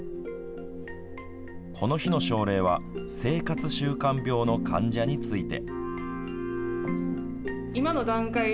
この日の症例は生活習慣病の患者について。